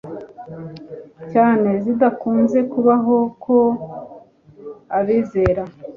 cyane zidakunze kubaho ko abizera